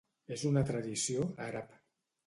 És una tradició àrab.